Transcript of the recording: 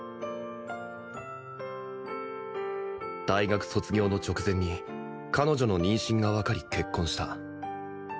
大学卒業の直前に彼女の妊娠がわかり結婚した